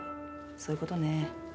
そういうことね。